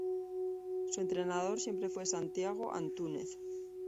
Su entrenador siempre fue Santiago Antúnez.